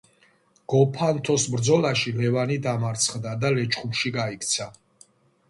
გოფანთოს ბრძოლაში ლევანი დამარცხდა და ლეჩხუმში გაიქცა.